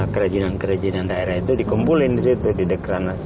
kerajinan kerajinan daerah itu dikumpulin di situ di deklarasi